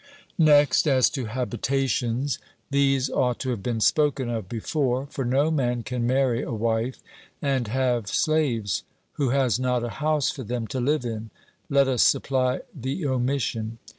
Next as to habitations. These ought to have been spoken of before; for no man can marry a wife, and have slaves, who has not a house for them to live in. Let us supply the omission.